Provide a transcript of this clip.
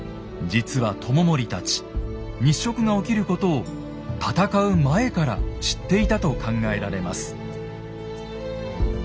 実は知盛たち日食が起きることを戦う前から知っていたと考えられます。